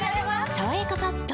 「さわやかパッド」